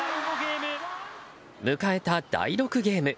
迎えた第６ゲーム。